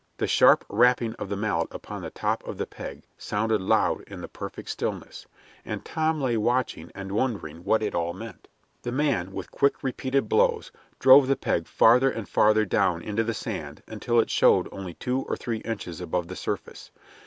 The sharp rapping of the mallet upon the top of the peg sounded loud in the perfect stillness, and Tom lay watching and wondering what it all meant. The man, with quick repeated blows, drove the peg farther and farther down into the sand until it showed only two or three inches above the surface.